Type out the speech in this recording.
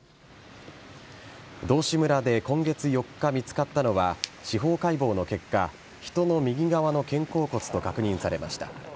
道志村で今月４日見つかったのは司法解剖の結果人の右側の肩甲骨と確認されました。